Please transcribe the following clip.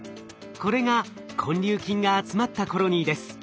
これが根粒菌が集まったコロニーです。